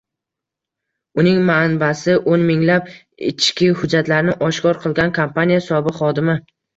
Uning manbasi — o‘n minglab ichki hujjatlarni oshkor qilgan kompaniya sobiq xodimi